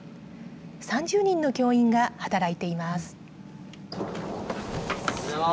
３０人の教員が働いています。